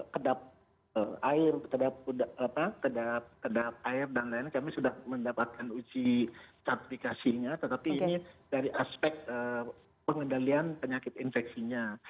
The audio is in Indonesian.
kedap air terhadap air dan lain lain kami sudah mendapatkan uji sertifikasinya tetapi ini dari aspek pengendalian penyakit infeksinya